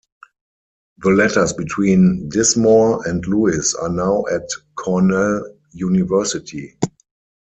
The letters between Dismorr and Lewis are now at Cornell University.